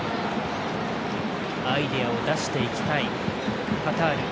アイデアを出していきたいカタール。